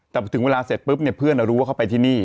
แต่ถึงเวลาเสร็จปุ๊บเนี่ยเพื่อนรู้ว่าเขาไปที่นี่